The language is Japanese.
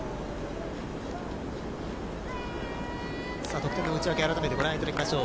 得点の内訳、改めてご覧いただきましょう。